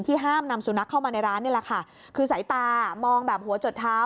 ห้ามนำสุนัขเข้ามาในร้านนี่แหละค่ะคือสายตามองแบบหัวจดเท้า